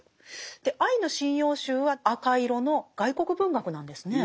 で「アイヌ神謡集」は赤色の外国文学なんですね。